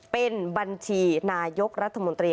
เป็นบัญชีนายกรัฐมนตรี